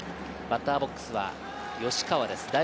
バッターボックスは吉川です。